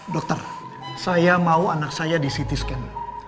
dokter saya mau anak saya di ct scan